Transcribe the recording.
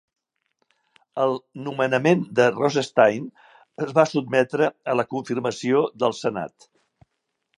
El nomenament de Rosenstein es va sotmetre a la confirmació del Senat.